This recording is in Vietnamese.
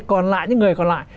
còn lại những người còn lại